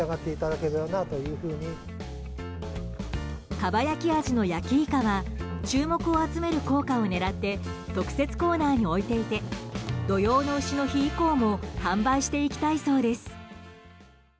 かば焼き味の焼いかは注目を集める効果を狙って特設コーナーに置いていて土用の丑の日以降も販売していきたいそうです。